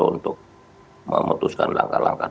untuk memutuskan langkah langkah